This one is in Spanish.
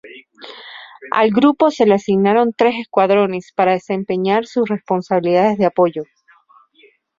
Al grupo se le asignaron tres escuadrones para desempeñar sus responsabilidades de apoyo.